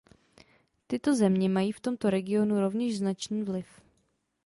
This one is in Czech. Tyto země mají v tomto regionu rovněž značný vliv.